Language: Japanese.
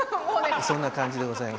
そんな感じでございます。